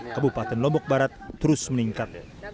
kabupaten lombok barat terus meningkat